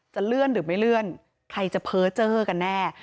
เลื่อนหรือไม่เลื่อนใครจะเพ้อเจอกันแน่